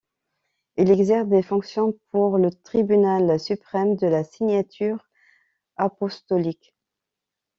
Il exerce des fonctions pour le tribunal suprême de la Signature apostolique.